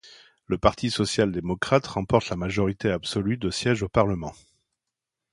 Le Parti social-démocrate remporte la majorité absolue de sièges au parlement.